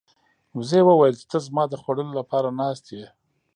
وزې وویل چې ته زما د خوړلو لپاره ناست یې.